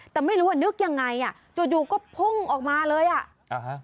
แต่ไม่รู้ว่านึกยังไงอ่ะจู่จู่ก็พุ่งออกมาเลยอ่ะอ่าฮะ